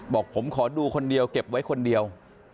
บอกผมขอดูคนเดียวเก็บไว้คนเดียว